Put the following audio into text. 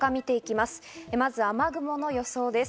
まず雨雲の予想です。